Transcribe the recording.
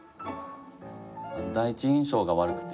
第一印象が悪くて。